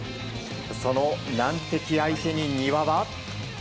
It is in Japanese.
その難敵相手に丹羽は。